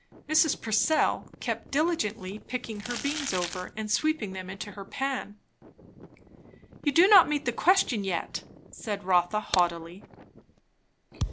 Mrs. Purcell kept diligently picking her beans over and sweeping them into her pan. "You do not meet the question yet," said Rotha haughtily.